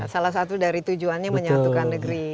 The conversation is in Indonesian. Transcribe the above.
salah satu dari tujuannya menyatukan negeri